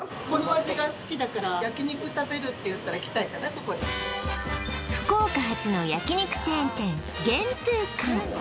ここに福岡発の焼肉チェーン店玄風館